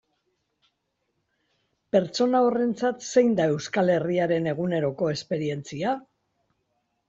Pertsona horrentzat zein da Euskal Herriaren eguneroko esperientzia?